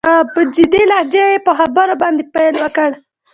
په جدي لهجه يې په خبرو باندې پيل وکړ.